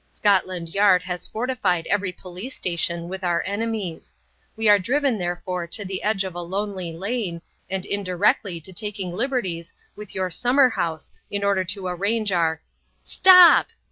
Scotland Yard has fortified every police station with our enemies; we are driven therefore to the edge of a lonely lane, and indirectly to taking liberties with your summer house in order to arrange our..." "Stop!"